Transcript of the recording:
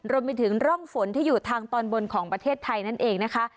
รวมไปถึงร่องฝนที่อยู่ทางตอนบนของประเทศไทยนั่นเองนะคะ